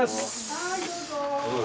・はいどうぞ。